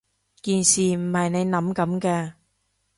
件事唔係你諗噉㗎